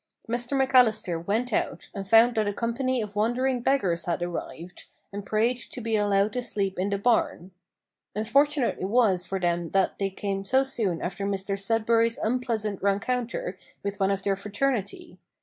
Mr McAllister went out, and found that a company of wandering beggars had arrived, and prayed to be allowed to sleep in the barn. Unfortunate it was for them that they came so soon after Mr Sudberry's unpleasant rencounter with one of their fraternity.